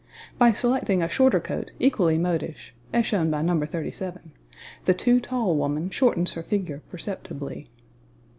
By selecting a shorter coat equally modish, as shown by No. 37, the too tall woman shortens her figure perceptibly.